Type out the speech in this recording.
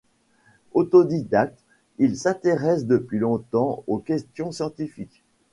Autodidacte, il s’intéresse depuis longtemps aux questions scientifiques.